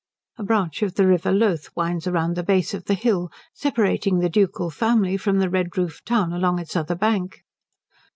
A branch of the river Loth winds round the base of the hill, separating the ducal family from the red roofed town along its other bank.